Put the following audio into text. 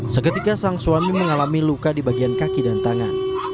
seketika sang suami mengalami luka di bagian kaki dan tangan